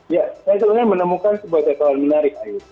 ya saya sebelumnya menemukan sebuah titel menarik